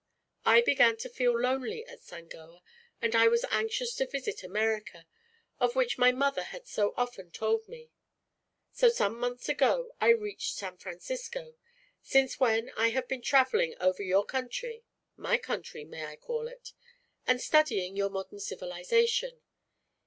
I began to feel lonely at Sangoa and I was anxious to visit America, of which my mother had so often told me. So some months ago I reached San Francisco, since when I have been traveling over your country my country, may I call it? and studying your modern civilization.